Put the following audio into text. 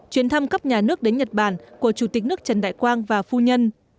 chuyến thăm cấp nhà nước đến nhật bản của chủ tịch nước trần đại quang và phu nhân